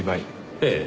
ええ。